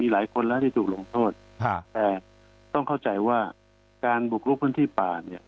หลายคนแล้วที่ถูกลงโทษแต่ต้องเข้าใจว่าการบุกลุกพื้นที่ป่าเนี่ย